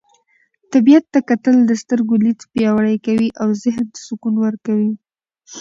طبیعت ته کتل د سترګو لید پیاوړی کوي او ذهن ته سکون ورکوي.